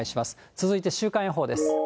続いて週間予報です。